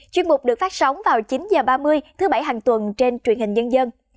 chuyên mục được phát sóng vào chín h ba mươi thứ bảy hàng tuần trên truyền hình nhân dân